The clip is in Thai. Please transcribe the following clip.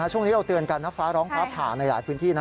ช่วงนี้เราเตือนกันฟ้าร้องฟ้าผ่าในหลายพื้นที่